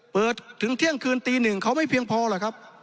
ถึงเที่ยงคืนตีหนึ่งเขาไม่เพียงพอหรอกครับ